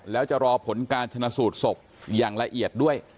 แล้วจะรอผลการชนะสูตรศพอย่างละเอียดด้วย